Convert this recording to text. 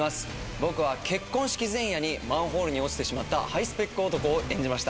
僕は結婚式前夜にマンホールに落ちてしまったハイスペック男を演じました。